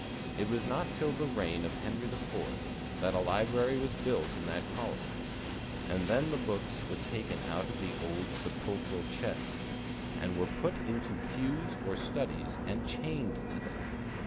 It was not till the reign of Henry IV. that a library was built in that college; and then the books were taken out of the old sepulchral chests, and "were put into pews or studies and chained to them."